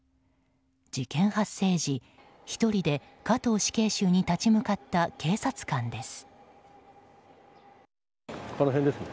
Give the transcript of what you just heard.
事件発生時、１人で加藤死刑囚に立ち向かった警察官です。